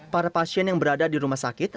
para pasien yang berada di rumah sakit